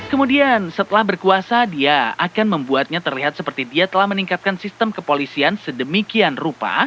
kemudian setelah berkuasa dia akan membuatnya terlihat seperti dia telah meningkatkan sistem kepolisian sedemikian rupa